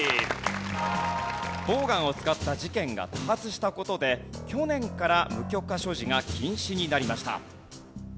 ボウガンを使った事件が多発した事で去年から無許可所持が禁止になりました。